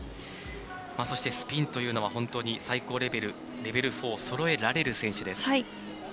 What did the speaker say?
そして、スピンというのは最高レベル、レベル４をそろえられる選手です。